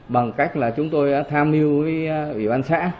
bằng cách là chúng tôi đã tham mưu với ủy ban xã